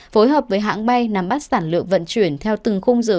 phối hợp với hãng bay nắm bắt sản lượng vận chuyển